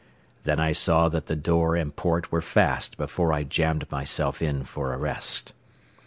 Then I saw that the door and port were fast before I jammed myself in for a rest.